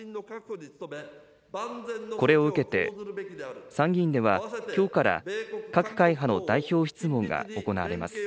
これを受けて、参議院ではきょうから、各会派の代表質問が行われます。